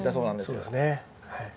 そうですねはい。